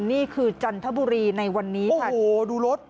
นี่คือจันทบุรีในวันนี้ค่ะโอ้โหดูรถ